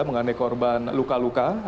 mengenai korban luka luka